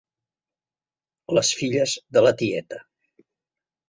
Les filles de la tieta.